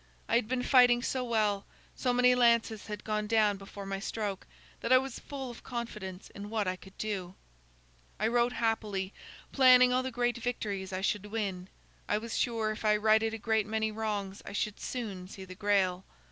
I had been fighting so well, so many lances had gone down before my stroke, that I was full of confidence in what I could do. "I rode happily, planning all the great victories I should win. I was sure if I righted a great many wrongs, I should soon see the Grail.